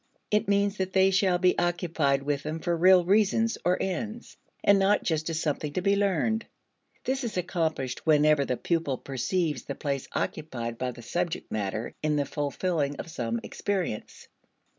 It means that they shall be occupied with them for real reasons or ends, and not just as something to be learned. This is accomplished whenever the pupil perceives the place occupied by the subject matter in the fulfilling of some experience.